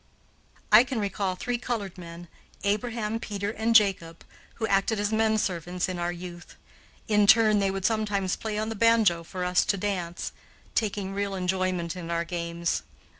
I can recall three colored men, Abraham, Peter, and Jacob, who acted as menservants in our youth. In turn they would sometimes play on the banjo for us to dance, taking real enjoyment in our games.